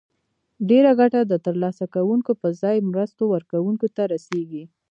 ډیره ګټه د تر لاسه کوونکو پر ځای مرستو ورکوونکو ته رسیږي.